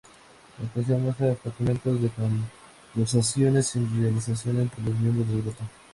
La canción muestra fragmentos de conversaciones sin relación entre los miembros del grupo.